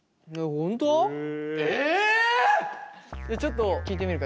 ちょっと聞いてみるか。